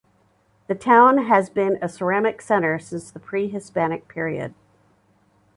The town has been a ceramics center since the pre Hispanic period.